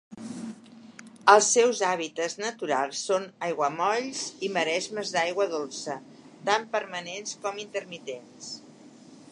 Els seus hàbitats naturals són aiguamolls i maresmes d'aigua dolça, tant permanents com intermitents.